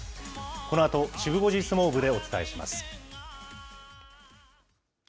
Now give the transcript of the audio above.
このあとシブ５時相撲部でお伝えします。